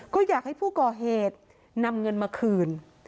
ก็อยากให้ผู้ก่อเหตุนำเงินมาคืน